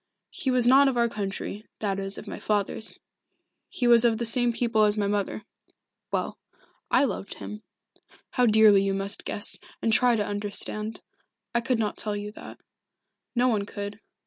He was not of our country that is, of my father's. He was of the same people as my mother. Well I loved him. How dearly you must guess, and try to understand. I could not tell you that. No one could.